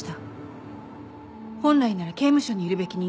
本来なら刑務所にいるべき人間です。